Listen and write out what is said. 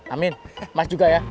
amin mas juga ya